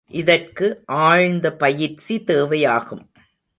இதற்கு ஆழ்ந்த பயிற்சி தேவையாகும்.